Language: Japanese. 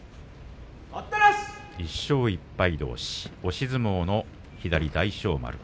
１勝１敗どうし、押し相撲の左、大翔丸。